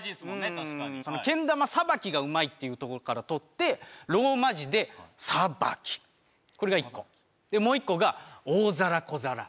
確かにけん玉さばきがうまいっていうところから取ってローマ字で「ＳＡＢＡＫＩ」これが１個「ＳＡＢＡＫＩ」でもう１個が「大皿小皿」